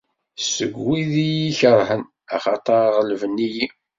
Seg wid i iyi-ikerhen, axaṭer ɣelben-iyi.